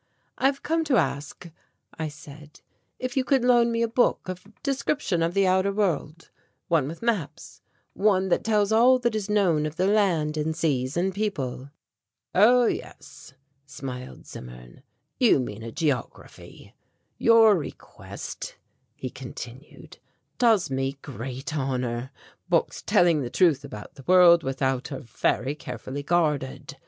"I have come to ask," I said, "if you could loan me a book of description of the outer world, one with maps, one that tells all that is known of the land and seas and people." "Oh, yes," smiled Zimmern, "you mean a geography. Your request," he continued, "does me great honour. Books telling the truth about the world without are very carefully guarded.